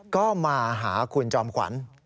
ก็มาหาคุณจอมขวัญ